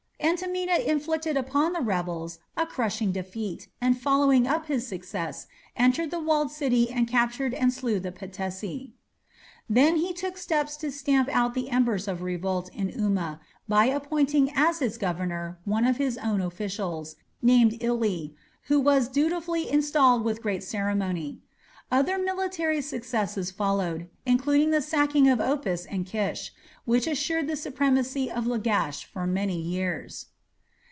Entemena inflicted upon the rebels a crushing defeat, and following up his success, entered the walled city and captured and slew the patesi. Then he took steps to stamp out the embers of revolt in Umma by appointing as its governor one of his own officials, named Ili, who was duly installed with great ceremony. Other military successes followed, including the sacking of Opis and Kish, which assured the supremacy of Lagash for many years.